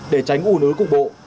để tránh ủn ứ cục bộ